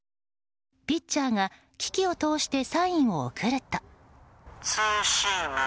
ピッチャーが機器を通してサインを送ると。